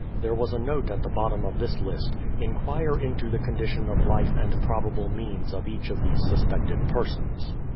There was a note at the bottom of this list: "Inquire into the condition of life and probable means of each of these suspected persons."